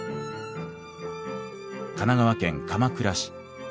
神奈川県鎌倉市。